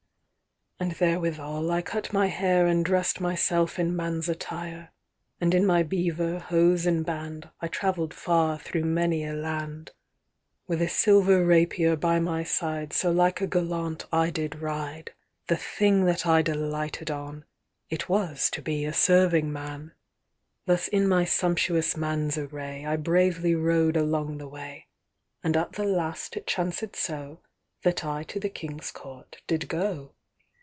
VIIAnd therewithal I cut my hair, And dress'd myself in man's attire; And in my beaver, hose, and band,I travell'd far through many a land. VIIIWith a silver rapier by my side, So like a gallant I did ride; The thing that I delighted on, It was to be a serving man. IXThus in my sumptuous man's arrayI bravely rode along the way; And at the last it chancèd soThat I to the King's court did go.